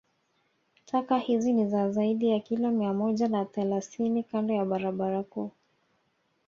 Taka hizi ni zaidi ya kilo mia moja na thelasini kando ya barabara kuu